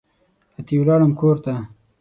اتي ولاړم کورته